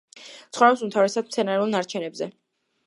ცხოვრობს უმთავრესად მცენარეულ ნარჩენებზე.